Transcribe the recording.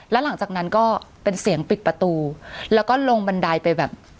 แล้วหลังจากนั้นก็เป็นเสียงปิดประตูแล้วก็ลงบันไดไปแบบ